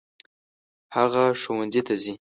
هغه ښوونځي ته ځي.